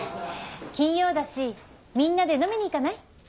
金曜だしみんなで飲みに行かない？